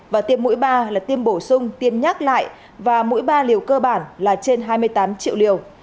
và tiêm mũi ba là tiêm bổ sung tiêm nhắc lại và mỗi ba liều cơ bản là trên hai mươi tám triệu liều